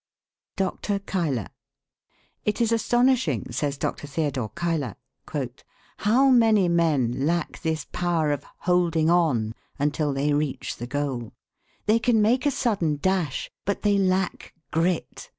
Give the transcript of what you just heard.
DR. CUYLER. "It is astonishing," says Dr. Theodore Cuyler, "how many men lack this power of 'holding on' until they reach the goal. They can make a sudden dash, but they lack grit.